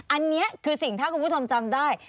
อันนี้คือสิ่งถ้าคุณผู้ชมจำได้